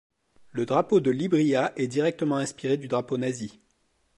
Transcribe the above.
Le drapeau de Libria est directement inspiré du drapeau nazi.